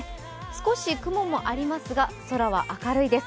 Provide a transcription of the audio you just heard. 少し雲もありますが、空は明るいです。